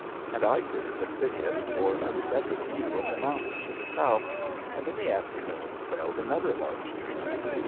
And I cleared the thicket for a better view of the mountain to the south; and in the afternoon felled another large tree.